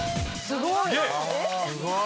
すごい！